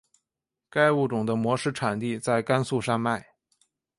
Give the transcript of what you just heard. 该物种的模式产地在甘肃山脉。